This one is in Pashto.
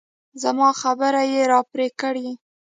زما خبرې يې راپرې کړې.